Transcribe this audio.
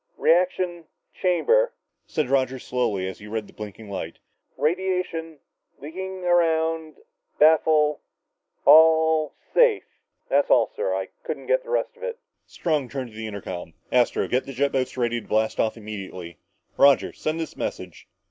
"... reaction ... chamber " said Roger slowly as he read the blinking light, "... radiation ... leaking around ... baffle ... all ... safe...." Roger stopped. "That's all, sir. I couldn't get the rest of it." Strong turned to the intercom. "Astro, get the jet boats ready to blast off immediately. Roger, send this message.